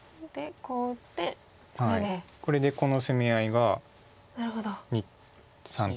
これでこの攻め合いが３対。